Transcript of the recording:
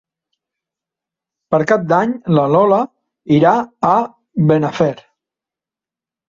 Per Cap d'Any na Lola irà a Benafer.